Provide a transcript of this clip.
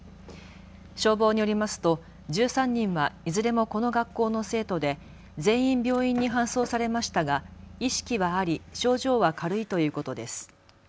消防によりますと１３人はいずれもこの学校の生徒で全員病院に搬送されましたが意識はあり症状は軽いということです。